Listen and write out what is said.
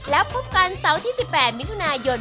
แล้วพบกันเสาร์ที่๑๘มิถุนายน